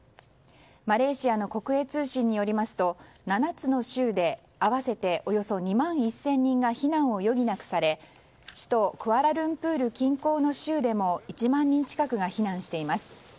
マレーシアの国営通信によりますと７つの州で合わせておよそ２万１０００人が避難を余儀なくされ首都クアラルンプールの近郊の州でも１万人近くが避難しています。